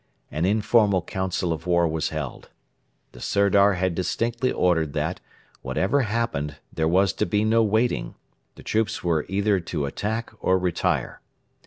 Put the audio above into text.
An informal council of war was held. The Sirdar had distinctly ordered that, whatever happened, there was to be no waiting; the troops were either to attack or retire.